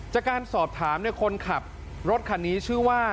จากการสอบถามคนขับรถคันนี้ชื่อว่า